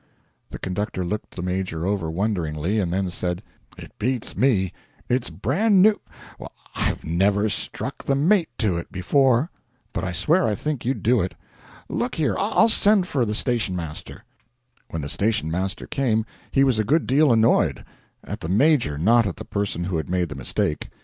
The conductor looked the Major over wonderingly, and then said: 'It beats me it's bran new I've never struck the mate to it before. But I swear I think you'd do it. Look here, I'll send for the station master.' When the station master came he was a good deal annoyed at the Major, not at the person who had made the mistake.